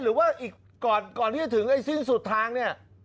หรือว่าอีกก่อนที่จะถึงไอ้สิ้นสุดทางเนี่ย